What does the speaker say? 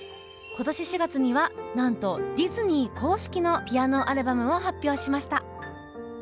今年４月にはなんとディズニー公式のピアノアルバムを発表しました！